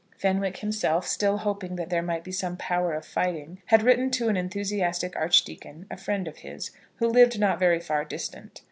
Fenwick himself, still hoping that there might be some power of fighting, had written to an enthusiastic archdeacon, a friend of his, who lived not very far distant.